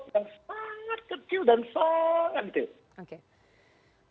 yang sangat kecil dan sangat